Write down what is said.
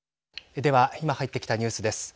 では今、入ってきたニュースです。